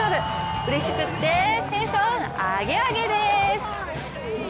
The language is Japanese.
うれしくって、テンションアゲアゲです。